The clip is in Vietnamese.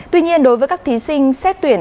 tuy nhiên đối với các thí sinh xét tuyển